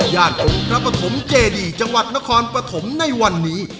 องค์พระปฐมเจดีจังหวัดนครปฐมในวันนี้